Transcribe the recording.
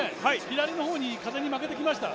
左の方に風に負けてきました。